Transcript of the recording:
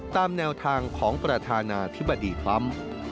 ตามแนวทางของประธานาธิบดีทรัมป์